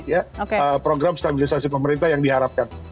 ya program stabilisasi pemerintah yang diharapkan